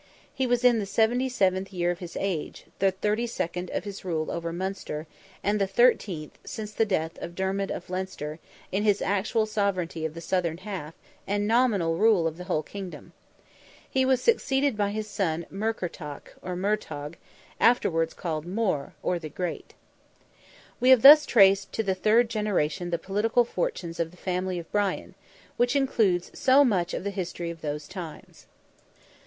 He was in the 77th year of his age, the 32nd of his rule over Munster, and the 13th—since the death of Dermid of Leinster—in his actual sovereignty of the southern half, and nominal rule of the whole kingdom. He was succeeded by his son Murkertach, or Murtogh, afterwards called More, or the great. We have thus traced to the third generation the political fortunes of the family of Brian, which includes so much of the history of those times.